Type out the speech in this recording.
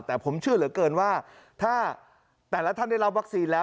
แต่ผมเชื่อเหลือเกินว่าถ้าแต่ละท่านได้รับวัคซีนแล้ว